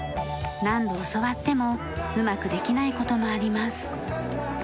何度教わってもうまくできない事もあります。